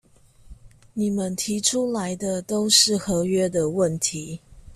你們提出來的都是合約的問題